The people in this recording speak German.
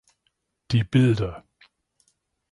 Die Bilder".